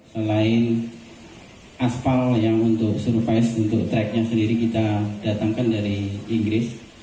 selain aspal yang untuk survice untuk tracknya sendiri kita datangkan dari inggris